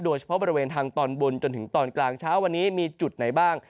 โดยเฉพาะบริเวณทางตอนบนจนถึงตอนกลางเช้าวันนี้มีจุดไหนบ้าง